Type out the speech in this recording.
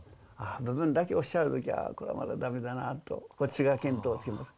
ああ部分だけおっしゃる時はこれはまだダメだなとこっちが見当をつけます。